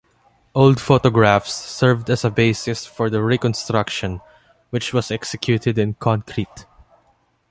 Old photographs served as a basis for the reconstruction, which was executed in concrete.